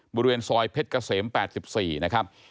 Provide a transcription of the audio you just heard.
บริเวณซอยเพชรเกษม๘๔นะครับ